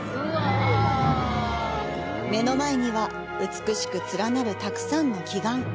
目の前には美しく連なるたくさんの奇岩。